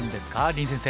林先生。